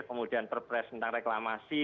kemudian perpres tentang reklamasi